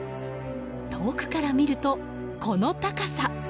遠くから見ると、この高さ。